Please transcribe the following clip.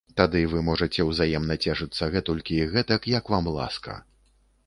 Тады вы можаце ўзаемна цешыцца гэтулькі і гэтак, як вам ласка.